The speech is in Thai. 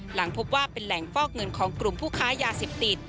หลังพบว่าเป็นแหล่งฟอกเงินของกลุ่มผู้ค้ายาเสพติด